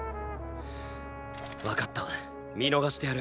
わかった見逃してやる。